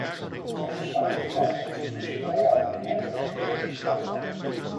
Zijn verslag bevat reeds budgettaire amendementen over de technische bijstand.